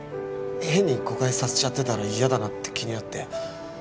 変に誤解させちゃってたら嫌だなって気になって。